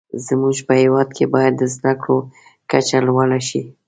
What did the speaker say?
زموږ په هیواد کې باید د زده کړو کچه لوړه شې.